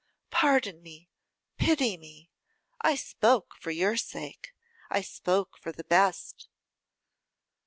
Pardon me, pity me, I spoke for your sake, I spoke for the best.